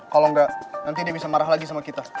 kalo enggak nanti dia bisa marah lagi sama kita